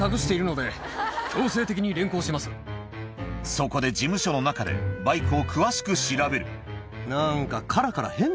そこで事務所の中でバイクを詳しく調べるなんか。